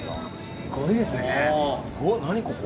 すごいですね。